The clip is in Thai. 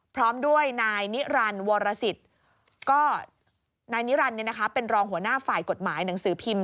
พร้อมด้วยนายนิรันดิวรสิทธิ์ก็นายนิรันดิ์เป็นรองหัวหน้าฝ่ายกฎหมายหนังสือพิมพ์